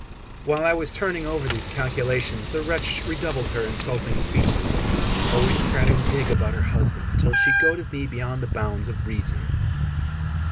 While I was turning over these calculations, the wretch redoubled her insulting speeches, always prating big about her husband, till she goaded me beyond the bounds of reason.